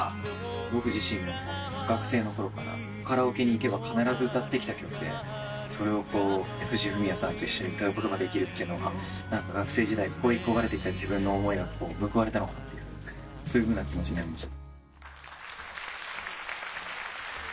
僕自身も学生のころからカラオケに行けば必ず歌ってきた曲でそれを藤井フミヤさんと一緒に歌うことができるというのは学生時代恋焦がれてきた自分の思いが報われたのかなとそういう気持ちになりました。